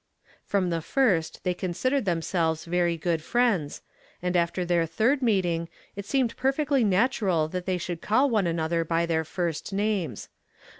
From the first they considered themselves very good friends, and after their third meeting it seemed perfectly natural that they should call one another by their first names.